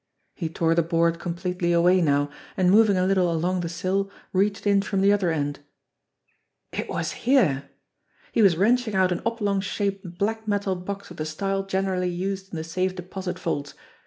He tore the board completely away now, and moving a little along the sill, reached in from the other end. It was here! He was wrenching out an oblong shaped, black metal box of the style generally used in the safe deposit vaults.